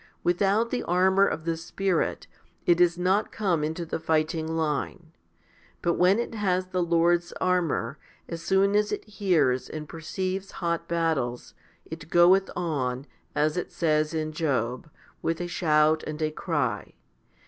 Without the armour of the Spirit, it does not come into the righting line ; but when it has the Lord's armour, as soon as it hears and perceives hot battles, it goeth on, as it says in Job, with a shout and a cry?